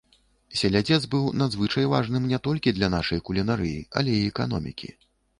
Селядзец быў надзвычай важным не толькі для нашай кулінарыі, але і эканомікі.